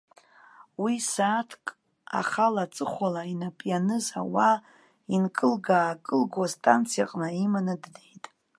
Уи, сааҭк ахала-аҵыхәала, инап ианыз ауаа инкылга-аакылго, астанциаҟны иманы днеит.